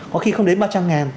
có khi không đến ba trăm linh ngàn